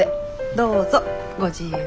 どうぞご自由に。